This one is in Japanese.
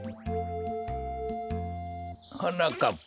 はなかっぱ。